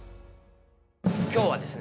今日はですね